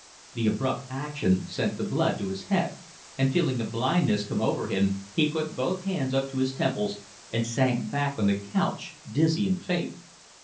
The abrupt action sent the blood to his head, and feeling a blindness come over him, he put both hands up to his temples, and sank back on the couch, dizzy and faint.